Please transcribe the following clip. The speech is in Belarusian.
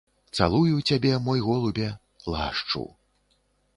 Цалую цябе, мой голубе, лашчу.